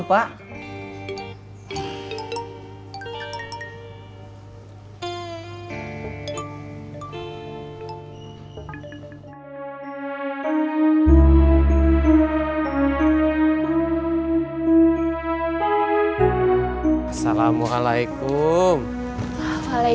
gimana elder ada positifnya